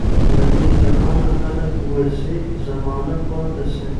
له دې جهانه خلک وزي زمانه پاته سي